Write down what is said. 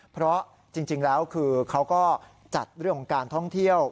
เพราะจริงแล้วคือเขาก็จัดเรื่องของการท่องเที่ยว